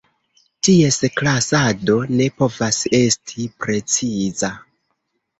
Ties klasado, ne povas esti preciza.